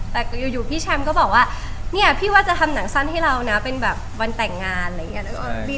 แต่อยู่พี่แชมป์ก็บอกว่าเนี่ยพี่ว่าจะทำหนังสั้นให้เรานะเป็นแบบวันแต่งงานอะไรอย่างนี้